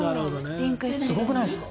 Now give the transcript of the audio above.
すごくないですか？